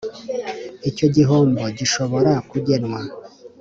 icyo gihombo gishobora kugenwa